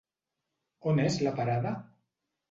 On és la parada?